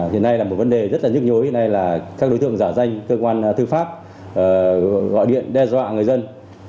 hiện nay là một vấn đề rất là nhức nhối hiện nay là các đối tượng giả danh cơ quan thư pháp gọi điện đe dọa người dân